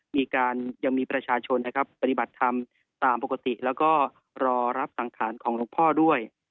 ยังมีประชาชนนะครับปฏิบัติธรรมตามปกติแล้วก็รอรับสังขารของหลวงพ่อด้วย